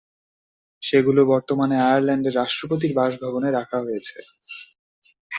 সেগুলো বর্তমানে আয়ারল্যান্ডের রাষ্ট্রপতির বাসভবনে রাখা হয়েছে।